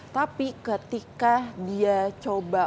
tapi ketika dia coba